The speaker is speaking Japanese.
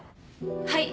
はい。